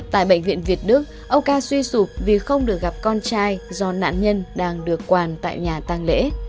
tại bệnh viện việt đức ông ca suy sụp vì không được gặp con trai do nạn nhân đang được quàn tại nhà tàng lễ